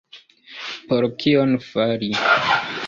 Por kion fari?